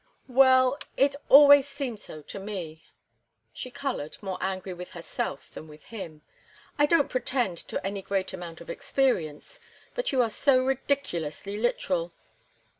"Well—it has always seemed so to me." She colored, more angry with herself than with him. "I don't pretend to any great amount of experience, but you are so ridiculously literal."